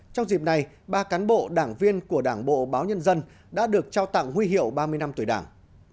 trong dịp này ba cán bộ đảng viên của đảng bộ báo nhân dân đã được trao tặng huy hiệu ba mươi năm tuổi đảng